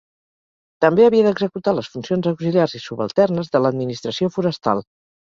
També havia d'executar les funcions auxiliars i subalternes de l'Administració Forestal.